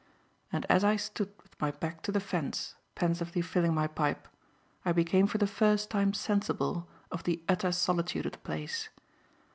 And as I stood with my back to the fence, pensively filling my pipe, I became for the first time sensible of the utter solitude of the place.